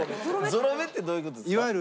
ゾロ目ってどういう事ですか？